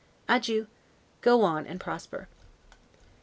Adieu! Go on and prosper.